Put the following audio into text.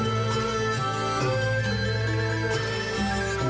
โอ้โหโอ้โหโอ้โห